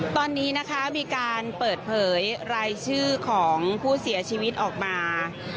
ตอนนี้นะคะมีการเปิดเผยรายชื่อของผู้เสียชีวิตออกมา